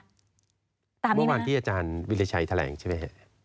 ตามนี้ไหมคะเมื่อวานที่อาจารย์วิทยาชัยแถลงใช่ไหม